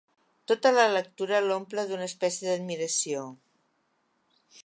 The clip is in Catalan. Tota la lectura l'omple d'una espècie d'admiració.